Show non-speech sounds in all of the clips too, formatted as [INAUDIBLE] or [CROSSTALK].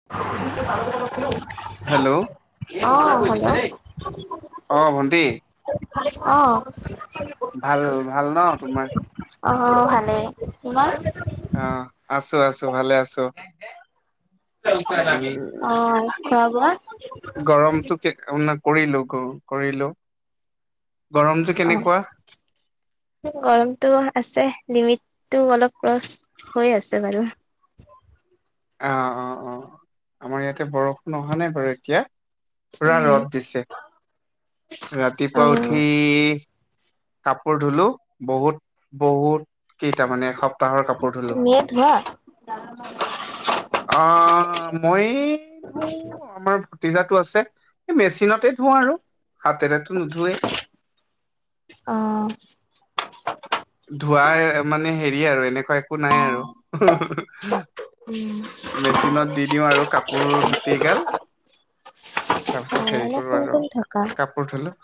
[UNINTELLIGIBLE] Hello? অ'! কোৱাচোন? [UNINTELLIGIBLE] অ'! ভণ্টি। অ'! ভাল, ভাল ন' তোমাৰ? অ'! ভালেই। তোমাৰ? অ'! আছোঁ, আছোঁ, ভালেই আছোঁ। [UNINTELLIGIBLE] খোৱা-বোৱা? গৰমটো [UNINTELLIGIBLE] কৰিলোঁ, কৰিলোঁ। গৰমটো অ', কেনেকুৱা? [INAUDIBLE] গৰমটো আছে, লিমিটটো অলপ ক্ৰচ হৈ আছে বাৰু। অ' অ' অ! আমাৰ ইয়াতে, বৰষুণ অহা নাই বাৰু এতিয়া। পুৰা উম, ৰ'দ দিছে। ৰাতিপুৱা অ', উঠি [UNINTELLIGIBLE] কাপোৰ ধুলোঁ। বহুত, বহুত! কেইটা মানে সপ্তাহৰ কাপোৰ ধুলো। কি ধোলা? অঁহ মই ধূ। আমাৰ ভতিজাটো আছে, এ মেচিনতে ধো আৰু হাতেৰেতো নুধোৱেই। অঁহ। ধূৱা মানে হেৰি আৰু এনেকুৱা একো নাই আৰু হুহুহু। উম, মেচিনত দি দিওঁ আৰু কাপোৰ গোটেই গাল। তাৰপিছত অ', হেৰি এনে কৰো কোন আৰু কোন থকা কা পোৰ ধুলো,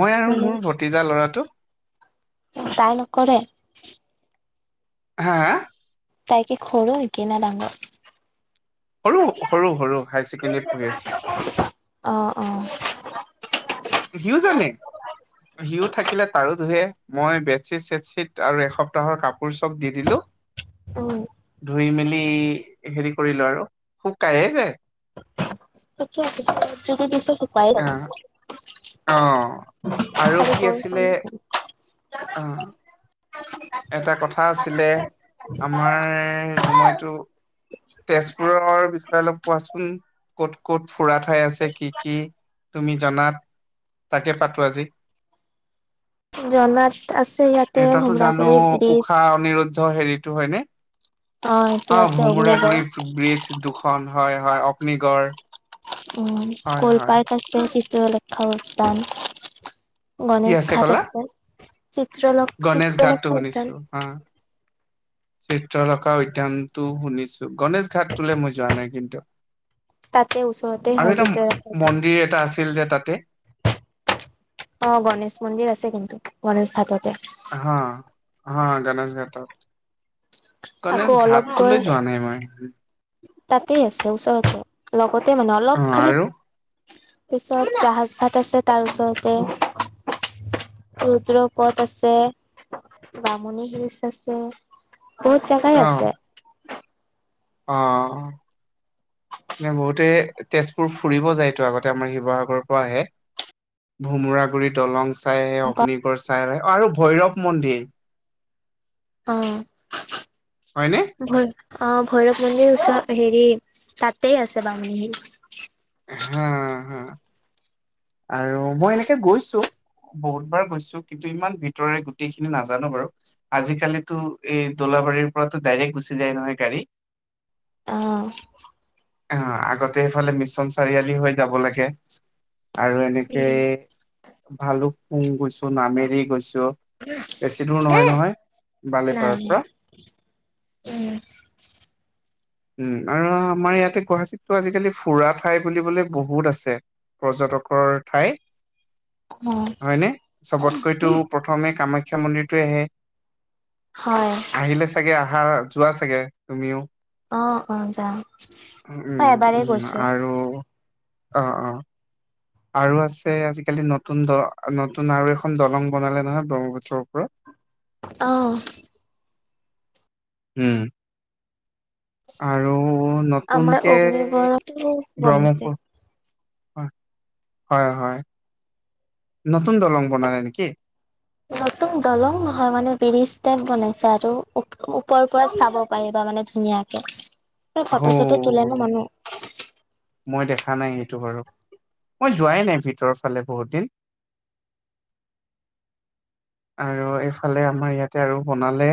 মই আৰু মোৰ ভতিজা লৰাটো। তাই নকৰে? হা হা? তাইকে সৰু কেইমা ডাঙৰ? সৰু সৰু সৰু হায়াৰ ছেকেণ্ডেৰী পঢ়ি আছে? অ অ। সিও জানে। সিও থাকিলে তাৰো ধুয়ে, মই বেডশিট- চেডশিট আৰু এসপ্তাহৰ কাপোৰ চব দি দিলো। [INAUDIBLE] উম। ধুই মেলি হেৰি কৰিলো আৰু শুকাইয়ে যায়। ঠিকে আছে, যদি দিছে শুকুৱাই যাব। অ অ আৰু কি আছিলে আ অ [INAUDIBLE] এটা কথা আছিলে আমাৰ মইতো তেজপুৰৰ বিষয়ে অলপ কোৱাচোন ক'ত ক'ত ফুৰা ঠাই আছে কি কি তুমি জনাত তাকে পাতো আজি? জনাত আছে ইয়াতে এটাটো জানো ভোমৰাগুৰি ব্ৰিজ ঊষা - অনিৰুদ্ধ হেৰিটো হয়নে? অ সেইটো আছে অগ্নিগড়। ব্ৰিজ দুখন হয় হয় অগ্নিগড়। উম হয় কল হয় পাৰ্ক আছে চিত্ৰলেখা উদ্যান। কি গণেশ ঘাট ক'লা আছে, চিত্ৰলে গণেশ ঘাটটো শুনিছো হা। চিত্ৰলখা উদ্যানটো শুনিছো, গণেশ ঘাটটোলে মই যোৱা নাই কিন্তু? তাতে ওচৰতে আৰু হয় এটা চিত্ৰলেখা উদ্যান মন্দিৰ এটা আছিল যে তাতে? অ গনেশ মন্দিৰ আছে কিন্তু গণেশ ঘাটতে। হা হা গণেশ ঘাটত। আকৌ গণেশ ঘাটটোলৈ যোৱা নাই মই? তাতেই আছে ওচৰতে লগতে মানে অ অলপ খালি আৰু পিছত জাহাজ ভাট আছে তাৰ ওচৰতে। ৰুদ্ৰ পথ আছে, বামুণী হিলচ আছে বহুত জাগাই অ আছে। অ। এনে বহুতে তেজপুৰ ফুৰিব যায়টো আগতে আমাৰ শিৱসাগৰৰ পৰা আহে। ভোমোৰা গুৰি দলং চাই, অগ্নিগড় চাই আৰু ভৈৰৱ মন্দিৰ। অ। হয়নে? অ ভৈৰৱ মন্দিৰ ওচৰত হেৰি তাতেই আছে বাংলী হিচ। হা হা আৰু মই এনেকে গৈছো। বহুত বাৰ গৈছো কিন্তু ইমান ভিতৰে গোটেইখিনি নাজানো বাৰু। আজিকালিতো এই দোলাবাৰীৰ পৰাতো ডাইৰেক্ট গুচি যায় নহয় গাড়ী? অ। অ আগতে এইফালে মিছন চাৰিআলি হৈ যাব লাগে আৰু এনেকেই ভালুক পুং গৈছো, নামেৰি গৈছো। বেছি দূৰ নহয় নহয় বালিপাৰাৰ পৰা। উম। উম আৰু আমাৰ ইয়াতে গুৱাহাটীতো আজিকালি ফুৰা ঠাই বুলিবলে বহুত আছে। পৰ্যটকৰ ঠাই উম। হয়নে? চবতকৈতো প্ৰথমে কামাখ্যা মন্দিৰটোৱে আহে। হয়। আহিলে চাগে আহা যোৱা চাগে তুমিও? অ অ যাওঁ। উম উম আৰু অ অ'। আৰু আছে আজিকালি নতুন দ নতুন আৰু এখন দলং বনালে নহয় ব্ৰহ্মপুত্ৰৰ ওপৰত। অঁ। উম। আৰু আমাৰ নতুনকে অগ্নিগড়তো বনাইছে। ব্ৰহ্মপুত হয় হয় হয়, নতুন দলং বনালে নেকি। নতুন দলং নহয় মানে বেৰিজ ষ্টেড বনাইছে আৰু ও - ওপৰ পৰা চাব পাৰিবা মানে ধুনীয়া। হৌ ফটো - চটো তোলে ন মানুহ। মই দেখা নাই এইটো বাৰু? মই যোৱাই নাই ভিতৰ ফালে বহুত দিন? আৰু এইফালে আমাৰ ইয়াতে আৰু বনালে।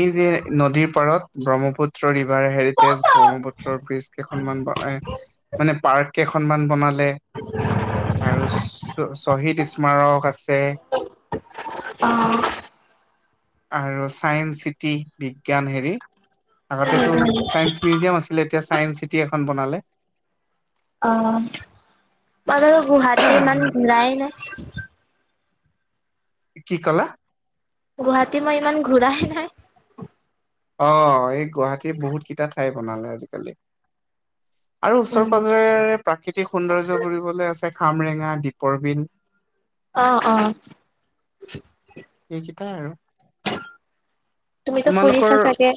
এই যে নদীৰ পাৰত Brahmaputra river heritage Brahmaputra bridge কেইখনমান। মানে পাৰ্ক কেইখনমান বনালে। আৰু চ শ্বহীদ স্মাৰক আছে। অ। আৰু চায়ন্স চিটি বিজ্ঞান হেৰি আগতেটো চাইন্স পিজিয়াম আছিলে এতিয়া ছাইন্স চিটি এখন বনালে। অ মই ধৰ গুৱাহাটী ইমান ঘূৰাই নাই। কি কলা? গুৱাহাটী মই ইমান ঘূৰাহে নাই। অ এই গুৱাহাটীৰ বহুত কেইটা ঠাই বনালে আজিকালি। আৰু ওচৰে উম পাজৰেৰে প্ৰাকৃতিক সৌন্দৰ্য বুলিবলে আছে খামৰেঙা দ্বীপৰ বিল। অ অ। এইকেইটাই আৰু। তুমিতো তোমালোকৰ ফুৰিছা চাগে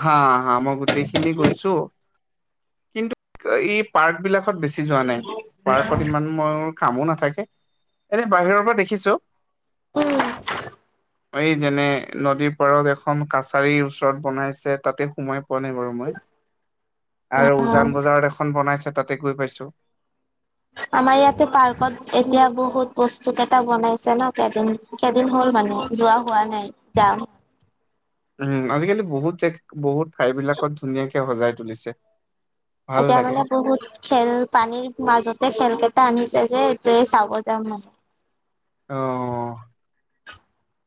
হা হা মই গোটেইখিনি কৈছো। কিন্তু ই পাৰ্ক বিলাকত বেছি যোৱা নাই? পাৰ্কত ইমান মইওৰ কামো নাথাকে এনে বাহিৰৰ পৰা দেখিছো। উম। এই যেনে নদীৰ পাৰত এখন কাছাৰীৰ ওচৰত বনাইছে তাতে সোমাই পোৱা নাই বাৰু মই? আৰু অ' উজান বজাৰত এখন বনাইছে তাতে গৈ পাইছো। আমাৰ ইয়াতে পাৰ্কত এতিয়া বহুত বস্তু কেইটা বনাইছে ন কেইদিন। কেইদিন হ'ল মানুহ যোৱা হোৱা নাই যাম। উম আজিকালি বহুত জেগ বহুত ঠাইবিলাকত ধুনীয়াকে সজাই তুলিছে। ভাল এতিয়া লাগে মানে বহুত। খেল পানীৰ মাজতে খেলকেইটা আনিছে যে এইটোৱে চাব যাম মানে। অ।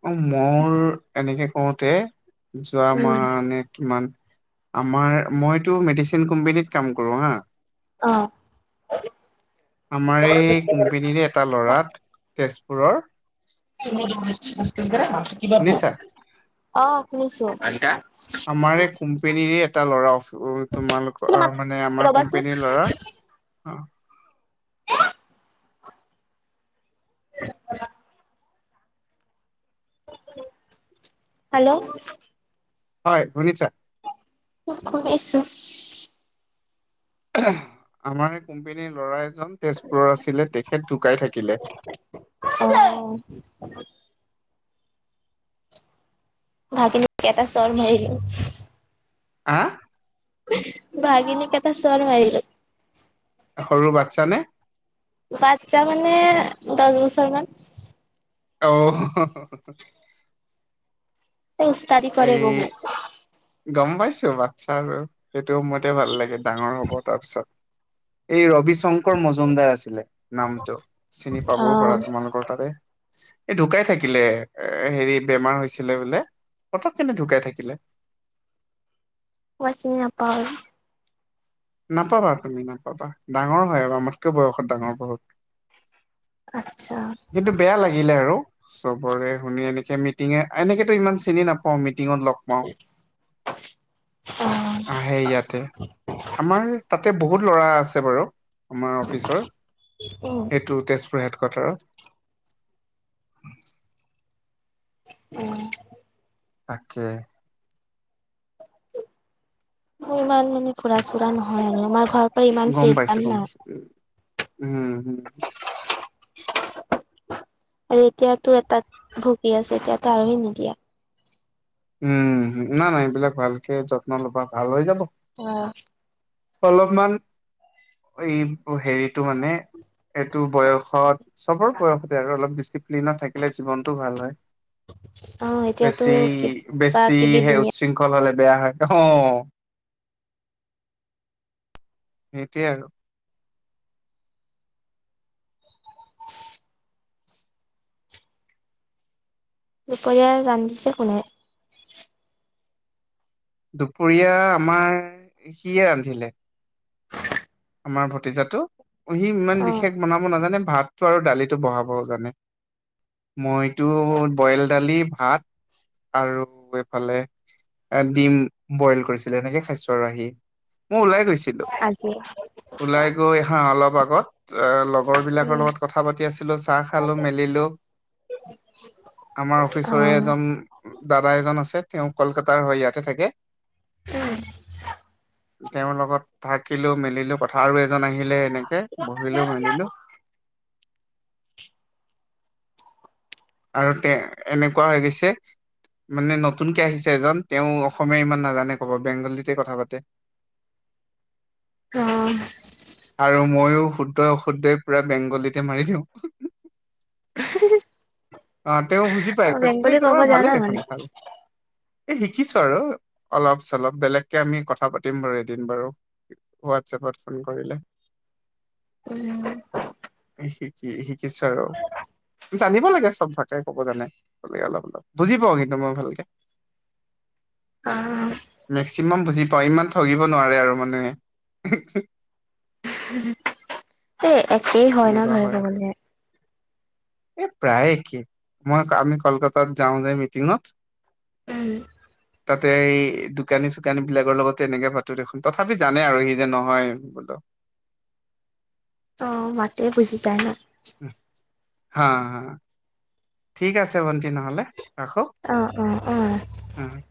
অ মোৰ এনেকে কৰোতে যোৱা উম মানে কিমান আমাৰ মইতো মেডিচিন কোম্পনীত কাম কৰো হা। অ আমাৰ এই কোম্পানীৰে এটা ল'ৰাত তেজপুৰৰ। শুনিছা [INAUDIBLE] অ শুনিছো। আমাৰ এই কোম্পেনীৰে এটা ল'ৰা তোমালোকৰ মানে আমাৰ ৰবাচোন কোম্পানীৰ ল'ৰা। অ। [UNINTELLIGIBLE] হেল্ল'। হয়। শুনিছা? অ কৈ আছো। এ হে আমাৰ এই কোম্পেনীৰ ল'ৰা এজন তেজপুৰৰ আছিলে তেখেত ঢুকাই থাকিলে। অহ। ভাগিনো এটা চৰ মাৰিলো। আহ ভাগিনীক এটা চৰ মাৰিলো। সৰু বাচ্ছা নে- বাচ্ছা মানে দহ বছৰ মান। অঔ উস্তাদি কৰে এই বহু। গম পাইছো বাচ্ছা বাৰু সেইটো সময়তে ভাল লাগে ডাঙৰ হ'ব তাৰপিছত। এই ৰবি শংকৰ মজুমদাৰ আছিলে নামটো চিনি পাবও পাৰা তোমালোকৰ তাৰে। এই ঢুকাই থাকিলে এ হেৰি বেমাৰ হৈছিলে বোলে পতক কেনে ঢুকাই থাকিলে। মই চিনি নাপাওঁ। নাপাবা তুমি নাপাবা ডাঙৰ হয় আৰু আমাতকৈ বয়সত ডাঙৰ বহুত। আত্চ্ছা কিন্তু বেয়া লাগিলে আৰু চবৰে শুনি এনেকে মিটিঙে এনেকেতো ইমান চিনি নাপ- অ মিটিঙত লগ পাওঁ। অ'। আহে ইয়াতে আমাৰ তাতে বহুত ল'ৰা আছে বাৰু আমাৰ অফিচৰ উম, সেইটো তেজপুৰ হেড কোৱাৰ্টাৰত। [UNINTELLIGIBLE] উম তাকে। ইমান মানে ফুৰা চুৰা নহয় আৰু আমাৰ ঘৰত- গম পাইছো গম পাইছো উ উম। [INAUDIBLE] আৰু এতিয়াতো এটাত ভুগি আছে এতিয়াতো আৰু হে নিদিয়া। উম নাই নাই এইবিলাক ভালকে যত্ন লবা ভাল হৈ যাব। অ অলপমান এই হেৰিটো মানে- এইটো বয়সত। চবৰ বয়সতে আৰু অলপ ডিচিপ্লিনত থাকিলে জীৱনটো ভাল হয়। অ এতিয়াতো বেছি কিব- বেছি সে উচ্ছৃংখল হলে বেয়া হয়, অ। সেইটোৱে আৰু দুপৰীয়াৰ ৰান্ধিছে কোনে? দুপৰীয়া আমাৰ সিয়ে ৰান্ধিলে। আমাৰ ভতিজাতটো সি ইমান অ' বিশেষ বনাব নাজানে ভাতটো আৰু দালিটো বহাব জানে। মইতো বইল দালি, ভাত আৰু এইফালে- ডিম বইল কৰিছিলে এনেকে খাইছো আৰু আহি মই ওলাই গৈছিল- আজি। ওলাই গৈ হা অলপ আগত। চ এ লগৰবিলাকৰ উম, লগত কথা পাতি আছিলো, চাহ খালো মেলিলো। আমাৰ অফিচৰে অ', এজন দাদা এজন আছে, তেওঁ কলকাতাৰ হৈ ইয়াতে থাকে। উম। তেওঁৰ লগত থাকিলো মেলিলো কথা আৰু এজন আহিলে এনেকে বহিলো মেলিলো। আৰু তে এনেকুৱা হৈ গৈছে মানে নতুনকে আহিছে এজন, তেওঁ অসমীয়া ইমান নাজানে ক'ব বেংগলীতে কথা পাতে। [INAUDIBLE] অ। আৰু মইো শুদ্ধ- অশুদ্ধই পুৰা বেংগলীতে মাৰি দিওঁ। হিহিহি। অ তেওঁ বুজি পাই কৈছে বো ক'ব তোমাৰ ভালে জানা দেখোন মানে? ভাল। এই শিকিছো আৰু অলপ চলপ বেলেগকে আমি কথা পাতিম বাৰু এদিন বাৰু। হোৱাটছএপত ফোন কৰিলে। উম। শিকি শিকিছো আৰু জানিব লাগে। থব তাকে ক'ব জানে বে অলপ অলপ বুজি পাওঁ কিন্তু মই ভালকে। অ'। মেক্সিমাম বুজি পাওঁ ইমান ঠগিব নোৱাৰে আৰু মানুহে। হু, এই একেই হয় ন এনেকুৱা ধৰিব গলে। এ প্ৰায়েই মই আমি কলকাতাত যাওঁ যে মিটিঙত। উম তাতে এই দোকানী -চোকানীবিলাকৰ লগতে এনেকে ভাতো দেখোন তথাপি জানে আৰু সি যে নহয় বোলো। ত মাতে বুজি যায় ন। হা হা, ঠিক আছে ভণ্টি নহ'লে ৰাখো। অ অ অ। উ।